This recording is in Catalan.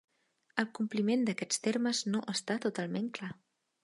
El compliment d'aquests termes no està totalment clar.